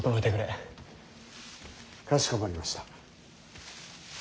かしこまりました。